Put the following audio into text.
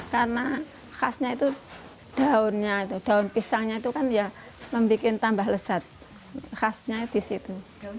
karena khasnya itu daunnya itu daun pisangnya itu kan ya membuat tambah lezat khasnya disitu